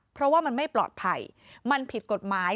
เพราะว่ามันไม่ปลอดภัยมันผิดกฎหมาย